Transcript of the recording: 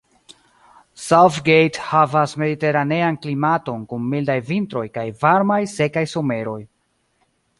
South Gate havas mediteranean klimaton kun mildaj vintroj kaj varmaj, sekaj someroj.